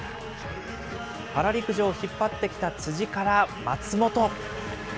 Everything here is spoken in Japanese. パラ陸上を引っ張ってきた辻から松本。